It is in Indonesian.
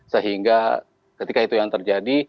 sehingga ketika itu yang terjadi